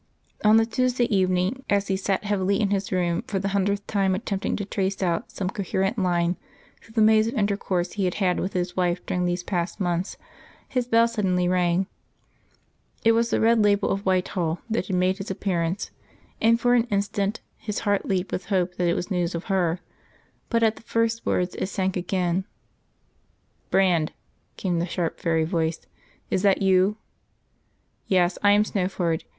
On the Tuesday evening, as he sat heavily in his room, for the hundredth time attempting to trace out some coherent line through the maze of intercourse he had had with his wife during these past months, his bell suddenly rang. It was the red label of Whitehall that had made its appearance; and for an instant his heart leaped with hope that it was news of her. But at the first words it sank again. "Brand," came the sharp fairy voice, "is that you?... Yes, I am Snowford.